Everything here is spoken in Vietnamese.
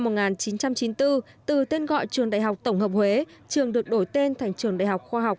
năm một nghìn chín trăm chín mươi bốn từ tên gọi trường đại học tổng hợp huế trường được đổi tên thành trường đại học khoa học